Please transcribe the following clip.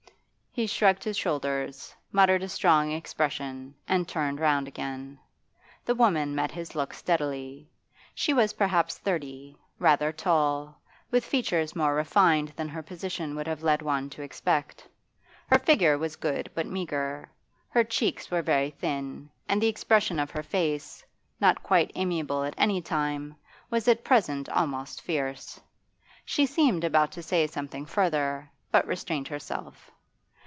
He shrugged his shoulders, muttered a strong expression, and turned round again. The woman met his look steadily. She was perhaps thirty, rather tall, with features more refined than her position would have led one to expect. Her figure was good but meagre; her cheeks were very thin, and the expression of her face, not quite amiable at any time, was at present almost fierce. She seemed about to say something further, but restrained herself.